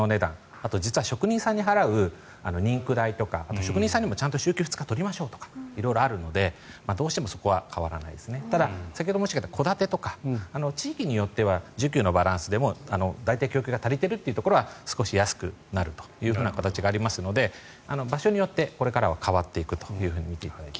あとは職人さんに払う人工代とか職人さんにも週休２日取りましょうとか色々あるのでどうしてもそこは変わらないですが先ほど申し上げた戸建てとか、地域によっては需給のバランスで大体供給が足りているというところは少し安くなるところもありますので場所によって、これから変わっていくと思います。